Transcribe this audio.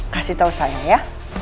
kasih tau saya ya